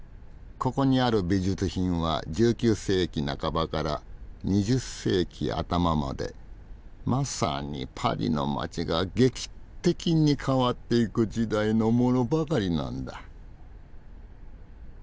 ここにある美術品は１９世紀半ばから２０世紀頭までまさにパリの街が劇的に変わっていく時代のものばかりなんだ。